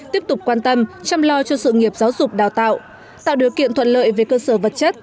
tiếp tục quan tâm chăm lo cho sự nghiệp giáo dục đào tạo tạo điều kiện thuận lợi về cơ sở vật chất